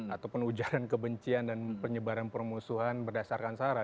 ataupun ujaran kebencian dan penyebaran permusuhan berdasarkan sara